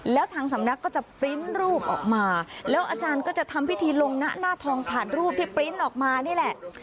แล้วทางสำนักก็จะปริ้นต์รูปออกมาแล้วอาจารย์ก็จะทำพิธีลงนะหน้าทองผ่านรูปที่ปริ้นต์ออกมานี่แหละ